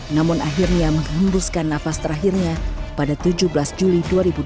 namun akhirnya menghembuskan nafas terakhirnya pada tujuh belas juli dua ribu dua puluh